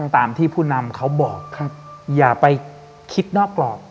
ตามที่ผู้นำเขาบอกอย่าไปคิดนอกกรอบ